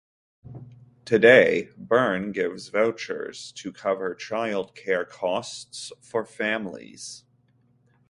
Today Bern gives vouchers to cover childcare costs for families.